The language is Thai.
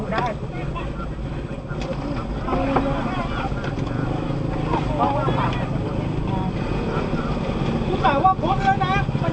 เดี๋ยวเอาไว้ใจสั่น